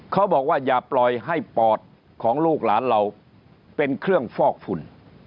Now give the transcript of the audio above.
เขาบอกว่าอย่าปล่อยให้ปอดของลูกหลานเราเป็นเครื่องฟอกฝุ่น